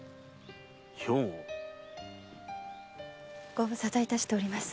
ご無沙汰いたしております。